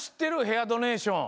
ヘアドネーション。